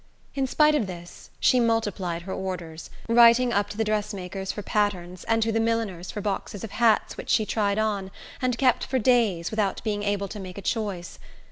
In spite of this, she multiplied her orders, writing up to the dress makers for patterns, and to the milliners for boxes of hats which she tried on, and kept for days, without being able to make a choice.